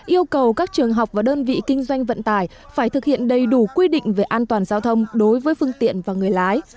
yêu cầu các trường học và đơn vị kinh doanh vận tải phải thực hiện đầy đủ quy định về an toàn giao thông đối với phương tiện và người lái